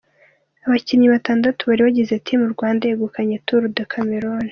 Abakinnyi batandatu bari bagize Team Rwanda yegukanye Tour du Cameroun.